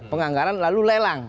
penganggaran lalu lelang